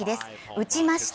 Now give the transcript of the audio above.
打ちました！